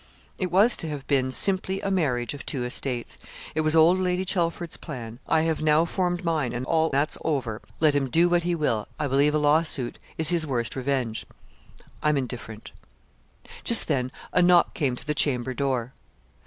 'It was to have been simply a marriage of two estates. It was old Lady Chelford's plan. I have now formed mine, and all that's over. Let him do what he will I believe a lawsuit is his worst revenge I'm indifferent.' Just then a knock came to the chamber door.